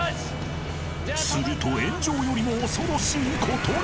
［すると炎上よりも恐ろしいことに］